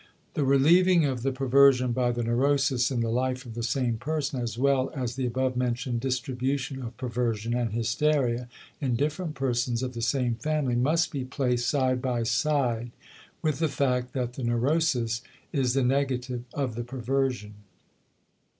The relieving of the perversion by the neurosis in the life of the same person, as well as the above mentioned distribution of perversion and hysteria in different persons of the same family, must be placed side by side with the fact that the neurosis is the negative of the perversion.